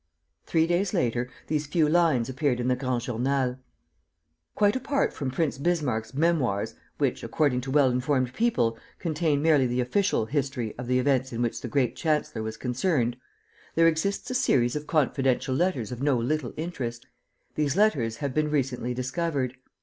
Three days later, these few lines appeared in the Grand Journal: "Quite apart from Prince Bismarck's Memoirs, which, according to well informed people, contain merely the official history of the events in which the great chancellor was concerned, there exists a series of confidential letters of no little interest. "These letters have been recently discovered.